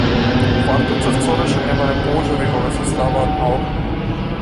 Варта црцореше небаре полжави кога се ставаат на оган.